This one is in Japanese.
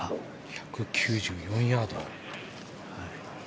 １９４ヤード。